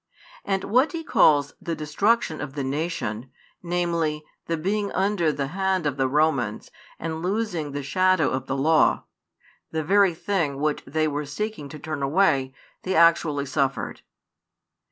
And what he calls the destruction of the nation, namely, the being under the hand of the Romans and losing the shadow of |134 the law: the very thing which they were seeking to turn away, they actually suffered.